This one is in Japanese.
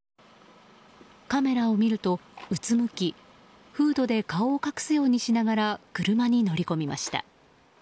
カメラを見ると、うつむきフードで顔を隠すようにしながら車に乗り込みました。